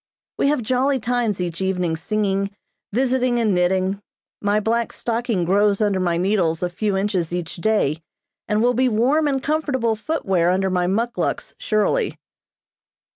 We have jolly times each evening singing, visiting and knitting. My black stocking grows under my needles a few inches each day, and will be warm and comfortable footwear under my muckluks surely.